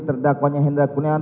terdakwanya hendra kunean